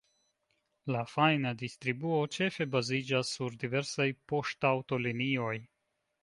La fajna distribuo ĉefe baziĝas sur diversaj poŝtaŭtolinioj.